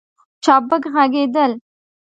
چابک ږغېدل